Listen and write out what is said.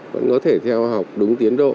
vẫn có thể theo học đúng tiến độ